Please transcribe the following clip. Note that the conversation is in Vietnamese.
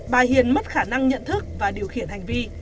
bà hiền mất khả năng nhận thức và điều khiển hành vi